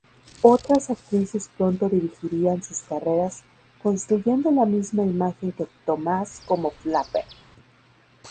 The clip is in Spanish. Otras actrices pronto dirigirían sus carreras construyendo la misma imagen que Thomas como flapper.